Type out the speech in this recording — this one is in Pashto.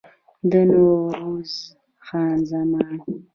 د نوروز خان زامن